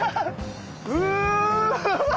うわ！